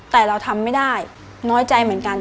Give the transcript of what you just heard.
แต่เราทำไม่ได้น้อยใจเหมือนกัน